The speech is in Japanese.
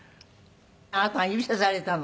あなたが指さされたの？